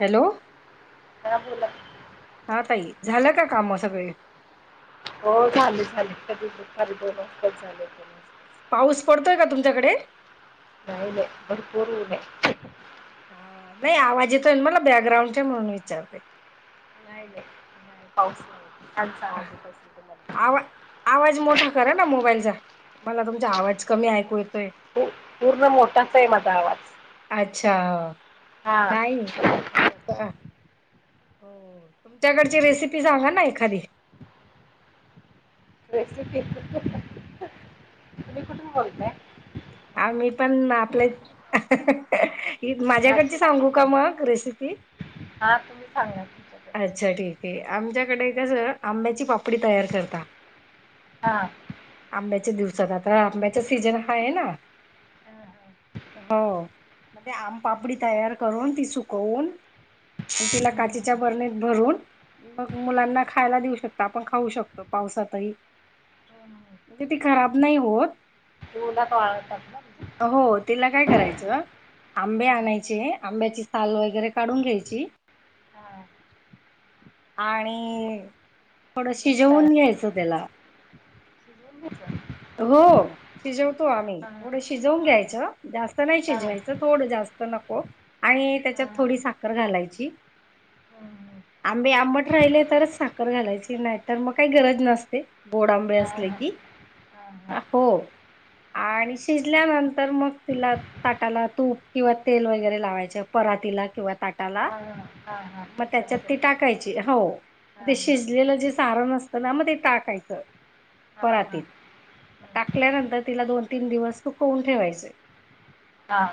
Hello काा बोला हा ताई झालं का काम सगळे हो झाले झाले कधी ख दोन वाजताच झाले दो वा पाऊस पडतोय का तुमच्याकडे नाहीईले मणपूरन हा नाही आवाज येतोय मला बॅकग्राउंड म्हणून विचारते हले ह पाऊस छानचा आवाज येत असेल तुम्हाला आवा आवाज मोठा करा ना मोबाईलचा मला तु आवाज कमी आहे पूर्ण मोठाचा आहे माझा आवाज अच्छा हा नाही का हो तुमच्याकडची रेसिपी सांगा ना एखादी रेसिपी तु कुठून बोलते हा मी पण आपले माझ्याकडची नाशिक सांगू का मग रेसिपी हा तुम्ही सांगा तुमच्याकडचं अच्छा ठीक आहे आमच्याकडे कसं आंब्याची पाप् डी तयार कर हा हा आंब्याच्या दिवसात आ आंब्याचा सीजन हा आहे ना हो आम पापडी तयार करून त सुवून तिला बरणीत भरून म मुलांना खायला देऊ शकत आपण खाऊ शकतो पावसातही हो ना म्हणजे ती खराब नाही होत तला कवाग हो तिला काय करायचं आंबे हा आणायचे आंब्याची साल वगैरे काढून घ्यायची हा आणि थोडं रस शिजवून घ्यायचं त्याला त हो शिजवतो आम्ही हा थोडं शिजवून हा घ्यायचं जास्त नाही हा शिजवायचं थोडं जास्त नक् आणि त्याच्यात हा हा थोडी साखर घालायची हं, हं. आमबे आंबट राहिले तरच साखर घालायची नाही तर मग काही गरज नसते गोड आंबे असले की हा हा हो आणि शिजल्यानंतर मग तिला ताटाला तूप किंवा तेल वगैरे लावायचे परातीला किंवा ताटाला हा मग त्याच्यात ती टाकायची हो ते हां, हां. शिजलेलं जे सारण असतं ना मग ते टाकायचं हा हा परातीत टाकल्यानंतर तिला दोन तीन दिवस तु खवून ठेवायचे हां.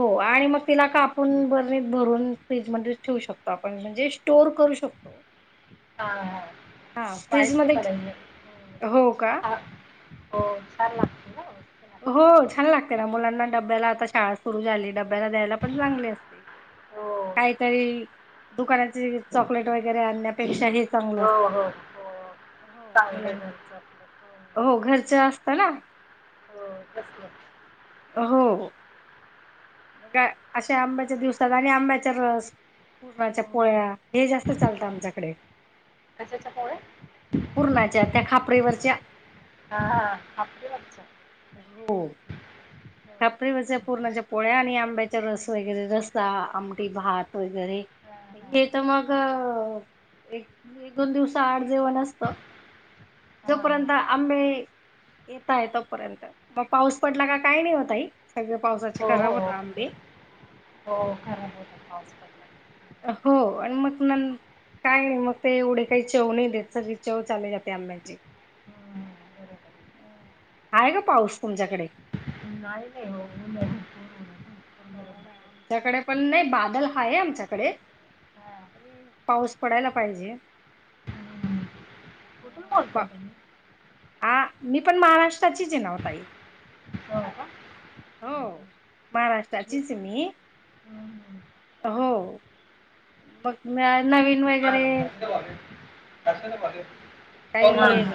हो आणि मग तिला का आपण बरणीत भरून फ्रीजमध्ये ठेवू शकतो आपण म्हणजे स्टोअर करू शकतो हा हा पायक फ्रीजमध्ये मला हो का ह हो छा लागत ना लागते. हो छान लागते ना मुलांना डब्याला आता शाळा सुरू झाली डब्याला द्यायला चागंल आहे ते हो. काहितरी दुकानाचे चॉकलेट वगैरे आणण्या पेक्षा हे चांगलं असत हो, हो, हो. हो चांगलं मुलांचे घरचं आपलं. हो घरच्या असत ना हो कसलं हो हो अशा आंब्याच्या दिवसात आणि आंब्याचा रस पूर्णाच्या हं. पोळ्या हे जास्त चालतं आमच्याकडे कशाच्या पोळ्या? पुरणाच्या त्या खापरीवरच्या हां, हां. खापरीवरच्या. हो हो. खापरी वरच्या हं, हं. पुरणाच्या पोळ्या आणि आंब्याच चारस वगैरे रस्सा, आमटी, भात वगैरे हां, हां, हां. हे तर मग एक दिड दोन दिवसा आड जेवण असत जो हां, हां. पर्यंत आंबे येता येत तोपर्यंत मग पाऊस पडला की काय नाही वो ताई सगळे पावसाचे हो, हो, खराब हो. होता आंबे हो, खरं बोलला. पाऊस पडला. हं. हो आणि मग न काय नाही मग ते एवढे काही चव नाही देत सगळी चव चाली जाते आंब्याची ह बरबर अ आहे का पाऊस तुमच्याकडे नाही नाही हो ऊन भरपूर ऊन आहे. भरपूर गरम हो ना होतंय. आमच्याकडे पण नाही बादल हाय आमच्याकडे हां. पण पाऊस पडायला पाहिजे हम् कुठून बोलताय तुम्ही हा मी पण महाराष्ट्राचीच आहेना वो ताई हो का? हो महाराष्ट्राचीच मी हं, हं. हो मग नवीन वेगैरे ना [inaudible] तेला का काही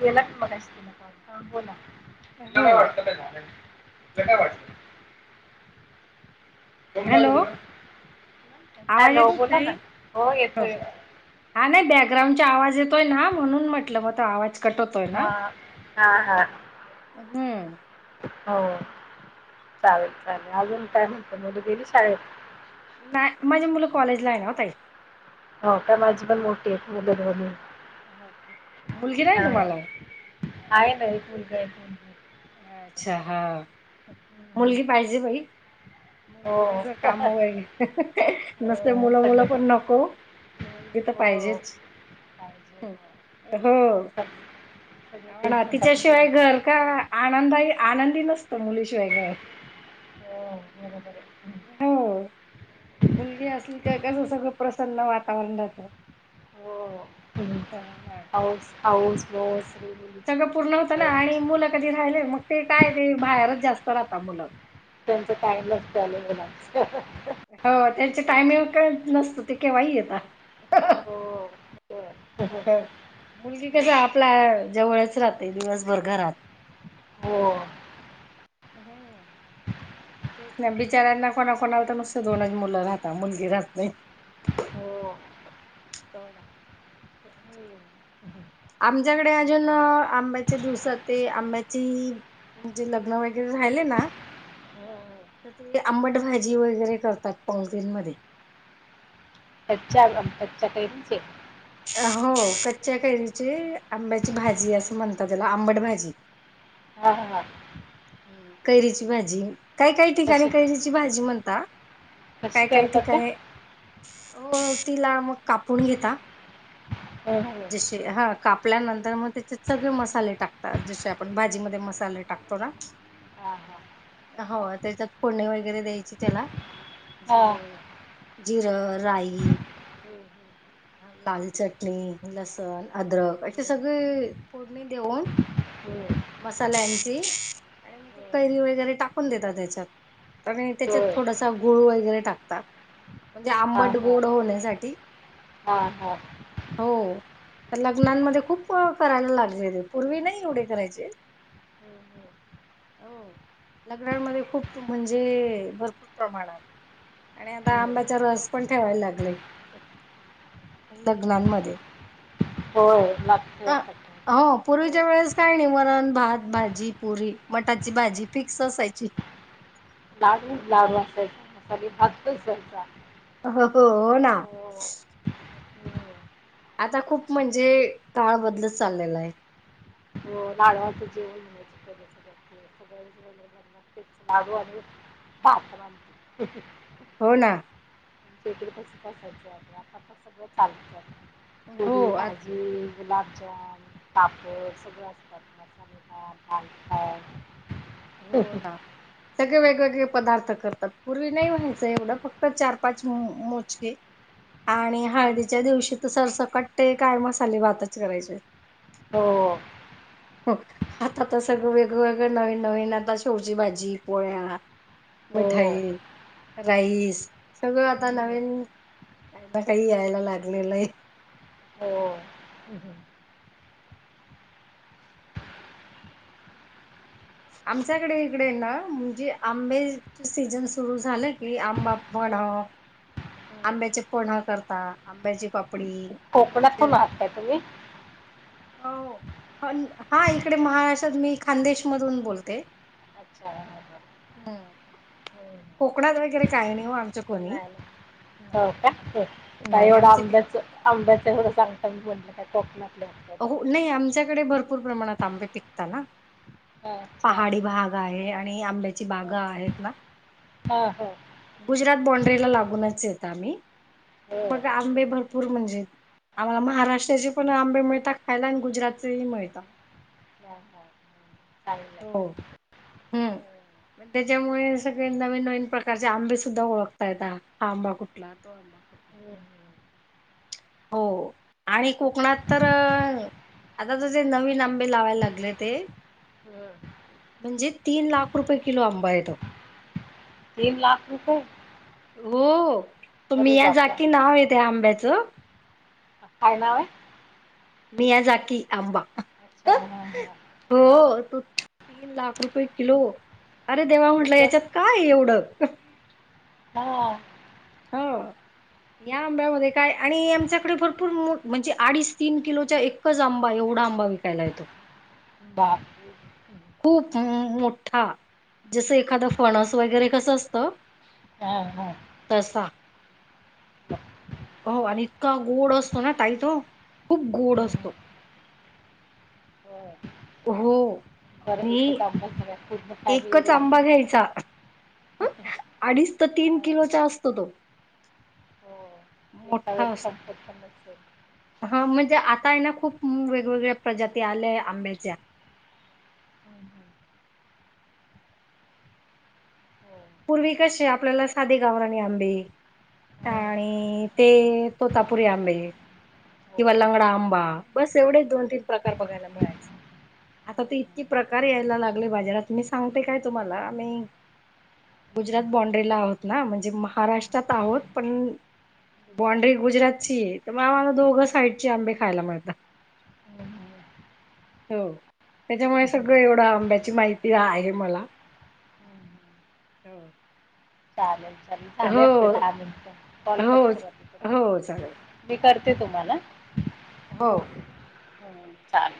गेला त मगाशी तेन काहुन बोला तिला हो काय वाटत काय झालं नाही तिला काय वाटलं कोण पाहिजे हॅलो तुला आवाज येतो ताई येतोय. हा ना नाही बॅग ग्राउंड चा आवाज येतोय ना म्हणून म्हटलं मग तो आवाज कट होतोय हा ना. हा हा हम्म हो चालेल चालेल अजून काय म्हणत मुली गेली शाळेत नाही माझी मुलं कॉलेजला आहे ना हो ताई हो काय माझी पण मोठी आहे मुल दोन्ही हो का? मुलगी नाही हा तुम्हाला? आहे ना एक मुलगा एक मुलगी आहे अच्छा हा हम्म. मुलगी पाहिजे बाई मुलगी हो कस काम वगैरे नुसत हो मुलं मुलं सगळे पण नको मुलगी तर हो पाहिजेच पाहिजे हो. हो आजकाल सगळे तेच आम्हाला म्हणतात मुलं तिच्याशिवाय घर काआत आनंदायी आनंदी नसतो मुलीशिवाय घर हो बरोबर आहे हम्म. हो मुलगी असलं की घरचं सगळं प्रसन्न वातावरण रहात. हो हौस मौज सगळं पूर्ण होतं ना आणि मुलं कधी राहिले मग ते काय ते बाहेरच जास्त राहता मुलं कायम असचं असतं मुलाचं हो त्याचे टायमिंग काय नसतो ते केव्हाही येतात हो बरं. मुलगी कस हम्म. आपल्या जवळच राहते दिवसभर घरात हो हम्म तेच ना बिचाऱ्यांना कोणाकोणाला तर नुसतं दोनच मुलं राहतात, मुलगी राहत नाही. हो हम्म. [unintelligible] आमच्याकडे अजून आंब्याच्या दिवसात ते आंब्याची म्हणजे लग्न वगैरे राहिले ना हो. [unintelligible] तर ते आंबट भाजी वगैरे करतात, पंगतींमध्ये कच्च्या कैरीचे हो कच्च्या कैरीची आंब्याची भाजी असं म्हणतात त्याला आंबट भाजी. हा हा कैरीची भाजी काय काही ठिकाणी कैरीची भाजी म्हणता. कस काय काय करतात ते ठिकाणी हो तिला मग कापून घेता. हां हां जसे हा कापल्यानंतर मग त्याचे सगळे मसाले टाकतात. जसे आपण भाजी मध्ये मसाले टाक टाकतोना हां हो त्याच्यात फोडणी वगैरे द्यायचे त्याला. हां हं, जिरं जिरं, राई हं, लाल चटणी, लसण, अद्रक असे हं, सगळे फोडणी देऊन हं, मसाल्यांची, आणि मग ती हं. कैरी वगैरे टाकून देतात त्याच्यात. आणि त्याच्यात होय थोडासा गुळ वगैरे टाकतात. म्हणजे आंबट गोड होण्यासाठी हा हा. हो. लग्नांमध्ये खूप करायला लागले ते, पूर्वी नाही एवढे करायचे हं, हं, हो लग्नामध्ये खूप म्हणजे भरपूर प्रमाणात. आणि आता हं. आंब्याचा रस पण ठेवायला लागलेत. लग्नांनमध्ये. होय लागतय आत्ता हो [unintelligible] पूर्वीच्या वेळेस काय नाही वरण, भात, भाजी, पुरी, मटाची भाजी फिक्स असायची. [inaudible] लाडू, लाडू असायचा मसाले भात असायचा. हो हो हो ना. हं. आता खूप म्हणजे काळ बदलत चाललेला आहे. हो लाडवाच जेवण. [unintelligible] [unintelligible] लाडू अजून भात अन् आमटी. हो ना. आमच्या इकडं तसंच असायच. आता सगळं चालंतय हो पुरी, आ भाजी गुलाबजाम, पापड सगळे असतात मसाले भात [unintelligible] हो ना सगळे हम्म. वेगवेगळे पदार्थ करतात. पूर्वी नाही व्हायचं एवढं फक्त चार पाच मोजके. आणि हं. हळदीच्या दिवशी तर सरसकट ते काय मसाले भातच करायचे. हो. आता तर सगळं वेगळ वेगळ नवीन नवीन, आता शेवची भाजी पोळ्या हो मिठाई, राईस सगळं आता हम्म. नवीन काहीना काही यायला लागलेल हाय. हो्. आमच्याकडे इकडे ना म्हणजे आंब्याच सीझन सुरू झालं की आंबा हम्म. पनं, हम्म. आंब्याचे पनं करता आंब्याची पाप कोकणात तून आनताय तुम्ही? हो. हा इकडे महाराष्ट्रात मी खानदेशमधून बोलते. अच्छा हम्म. कोकणात वगैरे काही नाही हो आमचं नाही कोणी. नाही. हो नाही. का. हो का नाही एवढं आमच्या आंब्याच, आंब्याच एवढ सांगता मी म्हणलं का कोकनात अ नाही आमच्याकडे भरपूर प्रमाणात आंबे पिकता ना. हां, अच्छा पहाडी भाग आहे आणि आंब्याची बागा आहेत ना. हो हो. गुजरात बॉन्ड्रीला लागूनच येत आम्ही, हो हम्म. मग आंबे हम्म. भरपूर म्हणजे आम्हाला महाराष्ट्राचे पण आंबे मिळतात खायला आणि गुजरातचेही मिळता. हा हा. चांगलं हो आहे. हम्म. मग त्याच्यामुळे सगळे नवीन नवीन प्रकारचे आंबे सुद्धा ओळखता येता. हा आंबा कुठला, तो आंबा [unintelligible] हम्म. हो आणि कोकणात तर आता तुझे नवीन आंबे लावाय लागले ते. हम्म. म्हणजे तीन लाख रुपये किलो आंबा आहे. तो तीन लाख रुपये हो तुम्ही अरे या जा बापरा की नाव येते आंब्याचं काय नाव मयाझकी अंबा [unintelligible] अच्छा हां हां हा तू तीन लाख रुपये किलो अरे देवा म्हंटलं तसं याच्यात काय एवढं, हो हा या आंब्यामध्ये काय आणि आमच्याकडे भरपूर म्हणजे अडीच तीन किलोच्या एकच आंबा एवढ पुडा आंबा विकायला येतो. बा खूप मोठा जसं एखादं फणस वगैरे कसं असतं. हा हा तसा हो आणि इतका गोड असतो ना ताई तो खूप गोड हम्म. असतो. हो हो बरं एकच आणि [unintelligible] बर एकच आंबा घ्यायचा ह अडीच तर तीन किलोचा असतो तो हो एका मोठा वेळेला अस संपत पण नसेल हा म्हणजे आता आहे ना खूप हम वेगवेगळ्या प्रजाती आल्याय आंब्याच्या, हम्म. हो पूर्वी कसे आपल्याला साधे गावरानी आंबे हम्म. आणि ते तोतापुरी आंबे हो किंवा लंगडा आंबा बस एवढेच दोन तीन प्रकार बघायला मिळायचे. आता तर हम्म. इतकी प्रकार यायला लागले बाजारात मी सांगते काय तुम्हाला आ मी गुजरात बॉण्डरी ला आहोत ना म्हणजे महाराष्ट्रात आहोत. पण गुजरात बॉंड्री गुजरातची तर आम्हाला दोघं साइडची आंबे खायला मिळतात. हम्म. हो त्याच्यामुळे हम्म. सगळं एवढं आंब्याची माहिती आहे मला हो चालेल चालेल चाले आपले दहा मिनिट कॉल हो कच क हो चालेल मी करते ते तुम्हाला हो हं, चालेल